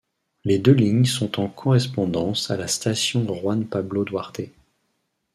Les deux lignes sont en correspondance à la station Juan Pablo Duarte.